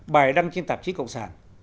bài đăng trên tạp chí cộng sản